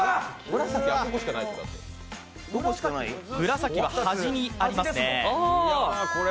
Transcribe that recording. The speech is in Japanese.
紫は端にありますね。